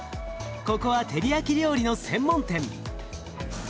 ここはテリヤキ料理の専門店。